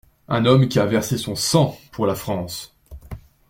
Un homme qui a versé son sang pour la France!